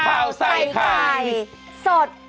ข้าวใส่ไข่สด